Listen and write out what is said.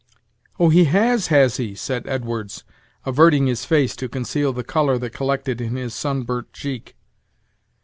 "Oh! he has, has he?" said Edwards, averting his face to conceal the color that collected in his sunburnt cheek.